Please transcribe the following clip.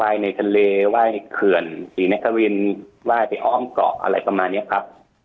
ในทะเลไหว้เขื่อนศรีนครินไหว้ไปอ้อมเกาะอะไรประมาณนี้ครับ